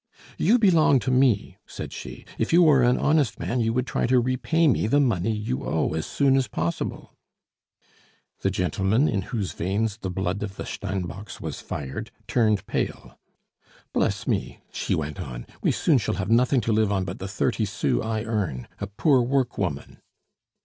"You belong to me," said she. "If you were an honest man, you would try to repay me the money you owe as soon as possible." The gentleman, in whose veins the blood of the Steinbocks was fired, turned pale. "Bless me," she went on, "we soon shall have nothing to live on but the thirty sous I earn a poor work woman!"